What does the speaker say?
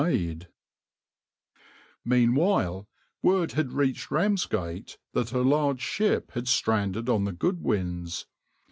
\par \vs {\noindent} Meanwhile, word had reached Ramsgate that a large ship had stranded on the Goodwins.